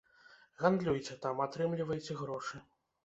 Гандлюйце там, атрымлівайце грошы.